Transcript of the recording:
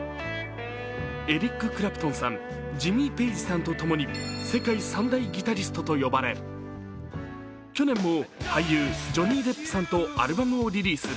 エリック・クラプトンさんジミー・ペイジさんと共に世界３大ギタリストと呼ばれ、去年も俳優ジョニー・デップさんとアルバムをリリース。